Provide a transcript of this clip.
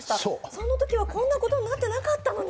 そのときは、こんなことになってなかったのに。